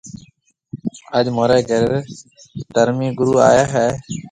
آج مهوريَ گهري ڌرمِي گُرو آئي هيَ۔